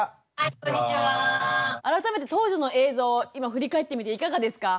改めて当時の映像を今振り返ってみていかがですか？